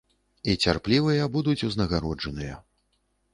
І цярплівыя будуць узнагароджаныя.